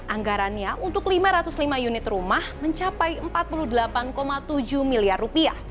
anggarannya untuk lima ratus lima unit rumah mencapai rp empat puluh delapan tujuh miliar